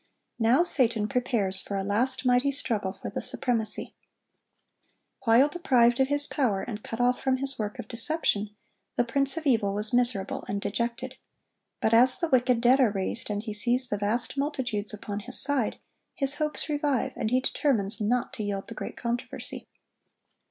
Now Satan prepares for a last mighty struggle for the supremacy. While deprived of his power, and cut off from his work of deception, the prince of evil was miserable and dejected: but as the wicked dead are raised, and he sees the vast multitudes upon his side, his hopes revive, and he determines not to yield the great controversy.